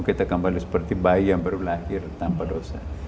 kita kembali seperti bayi yang baru lahir tanpa dosa